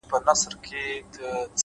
ژوند د انتخابونو خاموشه مجموعه ده